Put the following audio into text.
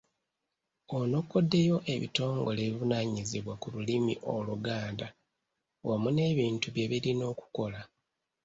Anokoddeyo ebitongole ebivunaanyizibwa ku lulimi Oluganda wamu n’ebintu bye birina okukola.